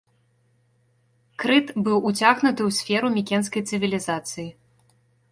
Крыт быў уцягнуты ў сферу мікенскай цывілізацыі.